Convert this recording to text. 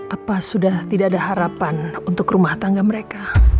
apa sudah tidak ada harapan untuk rumah tangga mereka